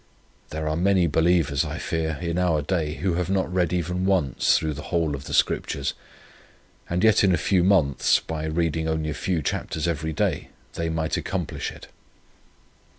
There are many believers, I fear, in our day, who have not read even once through the whole of the Scriptures; and yet in a few months, by reading only a few chapters every day they might accomplish it.